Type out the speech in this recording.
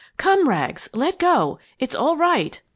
"Come Rags! Let go! It's all right!"